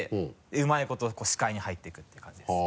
うまいこと視界に入っていくっていう感じです。